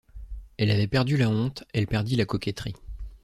Elle avait perdu la honte, elle perdit la coquetterie.